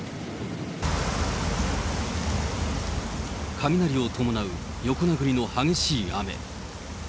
雷を伴う横殴りの激しい雨。